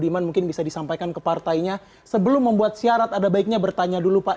budiman mungkin bisa disampaikan ke partainya sebelum membuat syarat ada baiknya bertanya dulu pak